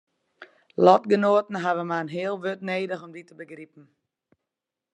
Lotgenoaten hawwe mar in heal wurd nedich om dy te begripen.